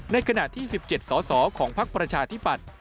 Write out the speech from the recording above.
ในขณะที่๑๗สอสอของพักประชาธิปัตย์